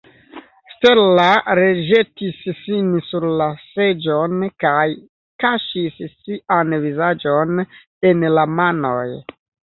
Stella reĵetis sin sur la seĝon kaj kaŝis sian vizaĝon en la manoj.